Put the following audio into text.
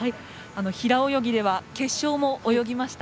平泳ぎでは決勝も泳ぎました。